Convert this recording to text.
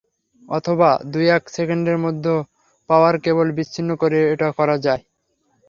অথবা দু-এক সেকেন্ডের জন্য পাওয়ার কেবল বিচ্ছিন্ন করেও এটা করা যায়।